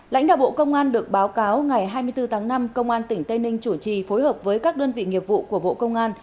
lãnh đạo bộ công an được báo cáo ngày hai mươi bốn tháng năm công an tỉnh tây ninh chủ trì phối hợp với các đơn vị nghiệp vụ của bộ công an